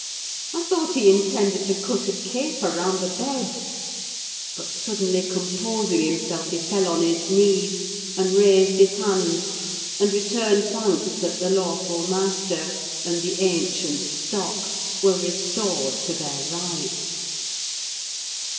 I thought he intended to cut a caper round the bed; but suddenly composing himself, he fell on his knees, and raised his hands, and returned thanks that the lawful master and the ancient stock were restored to their rights.